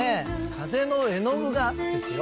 「風の絵の具が」ですよ。